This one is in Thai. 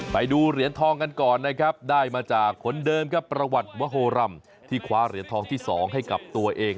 ไปดูเหรียญทองกันก่อนนะครับได้มาจากคนเดิมครับประวัติวโฮรัมที่คว้าเหรียญทองที่๒ให้กับตัวเอง